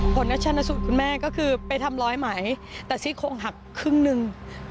คุณแม่ของคุณคุณแม่ก็คือไปทำร้อยไหมแต่ที่โครงหักครึ่งหนึ่ง